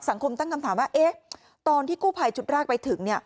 สังคมตั้งคำถามว่าเอ๊ะตอนที่กู้ภัยจุดรากไปถึงเนี่ย